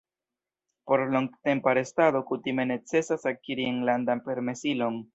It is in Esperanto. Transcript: Por longtempa restado kutime necesas akiri enlandan permesilon.